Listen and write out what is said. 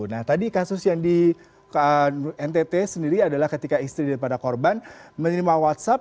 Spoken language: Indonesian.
nah tadi kasus yang di ntt sendiri adalah ketika istri daripada korban menerima whatsapp